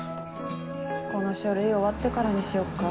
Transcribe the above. この書類終わってからにしよっか。